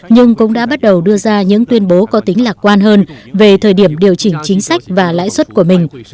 nhưng cũng đã bắt đầu đưa ra những tuyên bố có tính lạc quan hơn về thời điểm điều chỉnh chính sách và lãi suất của mình